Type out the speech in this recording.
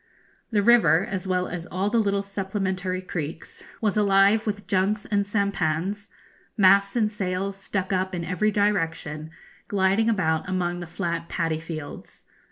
The river, as well as all the little supplementary creeks, was alive with junks and sampans masts and sails stuck up in every direction, gliding about among the flat paddy fields.